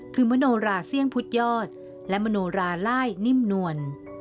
คือมโนราเสี่ยงพุทธยอดและมโนราล่ายนิ่มนวล